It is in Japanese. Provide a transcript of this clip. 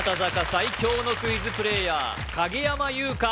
最強のクイズプレイヤー影山優佳